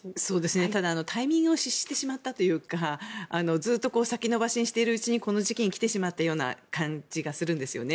ただ、タイミングを失してしまったというかずっと先延ばしにしているうちにこの時期に来てしまった感じがするんですよね。